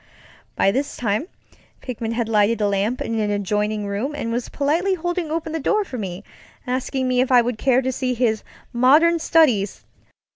By this time Pickman had lighted a lamp in an adjoining room and was politely holding open the door for me; asking me if I would care to see his "modem studies".